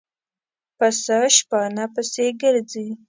پسه شپانه پسې ګرځي.